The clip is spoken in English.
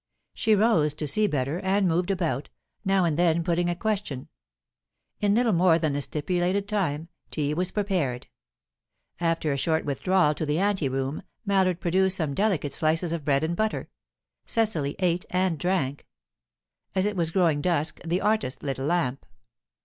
She rose, to see better, and moved about, now and then putting a question In little more than the stipulated time, tea was prepared. After a short withdrawal to the ante room, Mallard produced some delicate slices of bread and butter. Cecily ate and drank. As it was growing dusk, the artist lit a lamp.